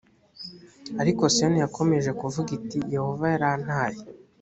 ariko siyoni yakomeje kuvuga iti yehova yarantaye